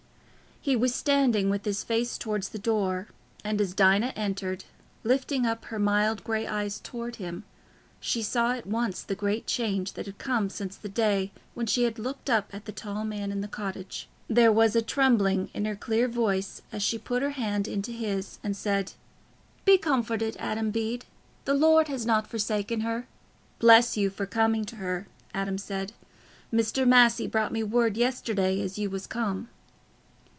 He was standing with his face towards the door, and as Dinah entered, lifting up her mild grey eyes towards him, she saw at once the great change that had come since the day when she had looked up at the tall man in the cottage. There was a trembling in her clear voice as she put her hand into his and said, "Be comforted, Adam Bede, the Lord has not forsaken her." "Bless you for coming to her," Adam said. "Mr. Massey brought me word yesterday as you was come."